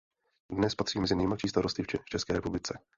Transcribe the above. Dnes patří mezi nejmladší starosty v České republice.